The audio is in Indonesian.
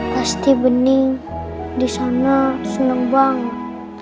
pasti bening di sana senang banget